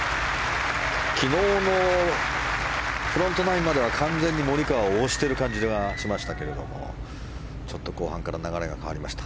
昨日のフロントナインまでは完全にモリカワが押している感じはしましたけどちょっと後半から流れが変わりました。